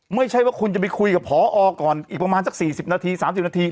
ไม่ใช่ว่าคุณจะไปคุยกับพอออก่อนอีกประมาณสักสี่สิบนาทีสามสิบนาที